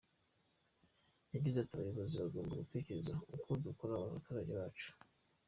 Yagize ati “Abayobozi tugomba gutekereza uko dukorera abaturage bacu.